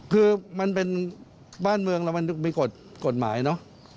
คือมันเป็นบ้านเมืองแล้วมันมีกฎหมายเนอะ